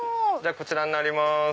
こちらになります。